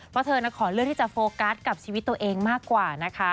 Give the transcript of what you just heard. เพราะเธอขอเลือกที่จะโฟกัสกับชีวิตตัวเองมากกว่านะคะ